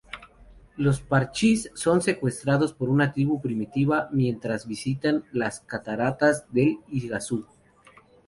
Los Parchís son secuestrados por una tribu primitiva mientras visitan las Cataratas del Iguazú.